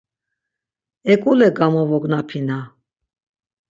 Eǩule gamovognapina.